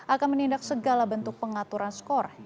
akan menindak segala bentuk pengaturan skor